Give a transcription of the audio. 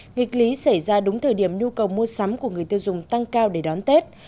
nghịch lý xảy ra đúng thời điểm nhu cầu mua sắm của người tiêu dùng tăng cao để đón tết